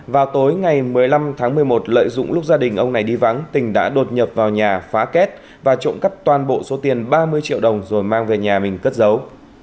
vào tối ngày một mươi năm tháng một mươi một lợi dụng lúc gia đình ông này đi vắng tỉnh đã đột nhập vào nhà phá kết và trộm cắp toàn bộ số tiền ba mươi triệu đồng rồi mang về nhà mình cất dấu